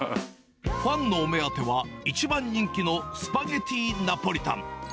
ファンのお目当ては、一番人気のスパゲッティーナポリタン。